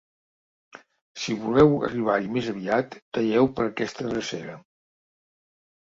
Si voleu arribar-hi més aviat, talleu per aquesta drecera.